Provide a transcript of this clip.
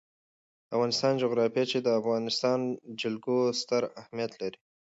د افغانستان جغرافیه کې د افغانستان جلکو ستر اهمیت لري.